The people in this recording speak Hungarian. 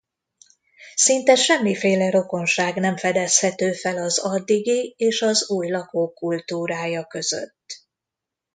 Szinte semmiféle rokonság nem fedezhető fel az addigi és az új lakók kultúrája között.